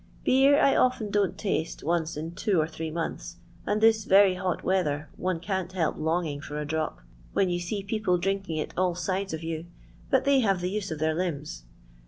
Beer I often don't taste once in two or three months, and this very hot weather one can't help longing for a drop, when you see people drinking it all sides of you, but they have the use of their limbs."